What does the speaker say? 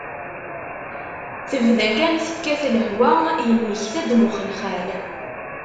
Tebda kan tekkat lehwa, yemmekta-d mm uxelxal.